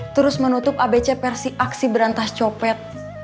terus menutup abc versi aksi berantas copet